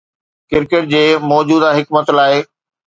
cricket جي موجوده حڪمت لاء